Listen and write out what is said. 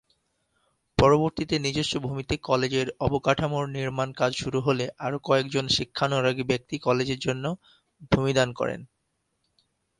পরবর্তীকালে নিজস্ব ভূমিতে কলেজের অবকাঠামোর নির্মান কাজ শুরু হলে আরো কয়েকজন শিক্ষানুরাগী ব্যক্তি কলেজের জন্য ভুমি দান করেন।